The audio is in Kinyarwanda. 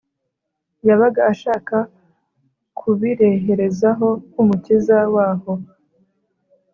yabaga ashaka kubireherezaho nk’umukiza wabo